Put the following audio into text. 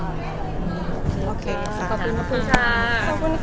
ขอบคุณค่ะ